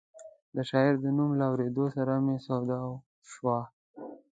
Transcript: د شاعر د نوم له اورېدو سره مې سودا شوه.